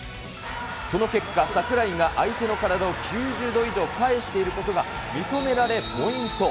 その結果、櫻井が相手の体を９０度以上返していることが認められ、ポイント。